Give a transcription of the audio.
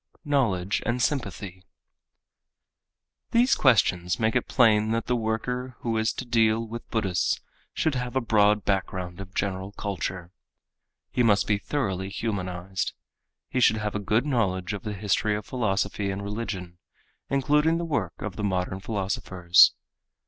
Knowledge and Sympathy_ These questions make it plain that the worker who is to deal with Buddhists should have a broad background of general culture. He must be thoroughly humanized. He should have a good knowledge of the history of philosophy and religion, including the work of the modern philosophers.